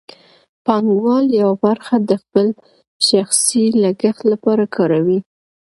پانګوال یوه برخه د خپل شخصي لګښت لپاره کاروي